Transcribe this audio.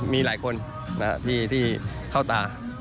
มีหลายคนที่เข้าตา